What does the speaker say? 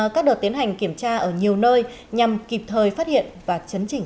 các đợt tiến hành kiểm tra ở nhiều nơi nhằm kịp thời phát hiện và chấn chỉnh